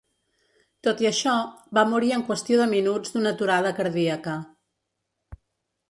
Tot i això, va morir en qüestió de minuts d'una aturada cardíaca.